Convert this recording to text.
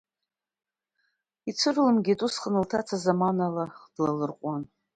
Цәырлымгеит, усҟан лҭаца замана длалырҟәуан.